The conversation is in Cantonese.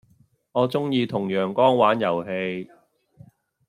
我鐘意同陽光玩遊戲